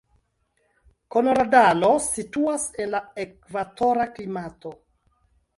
Koronadalo situas en la ekvatora klimato.